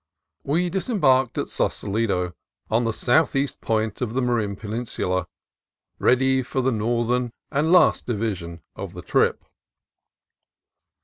We disembarked at Sausalito, on the southeast point of the Marin Peninsula, ready for the northern and last division of the trip.